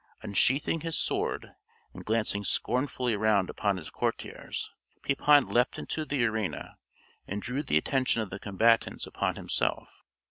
Unsheathing his sword, and glancing scornfully round upon his courtiers, Pepin leapt into the arena, and drew the attention of the combatants upon himself.